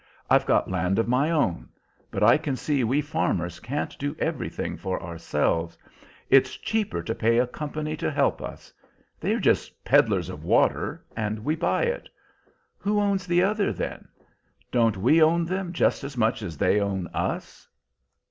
I've got land of my own, but I can see we farmers can't do everything for ourselves; it's cheaper to pay a company to help us. They are just peddlers of water, and we buy it. Who owns the other, then? Don't we own them just as much as they own us?